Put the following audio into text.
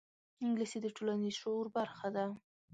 انګلیسي د ټولنیز شعور برخه ده